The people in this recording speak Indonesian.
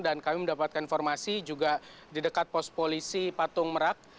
dan kami mendapatkan informasi juga di dekat pos polisi patung merak